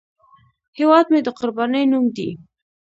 هیواد مې د قربانۍ نوم دی